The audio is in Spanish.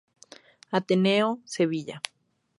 Ateneo", Sevilla.